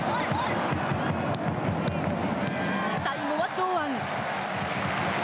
最後は堂安。